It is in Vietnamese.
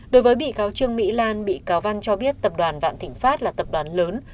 đối với bị cáo trương mỹ lan bị cáo văn cho biết tập đoàn vạn thịnh pháp là tập đoàn lớn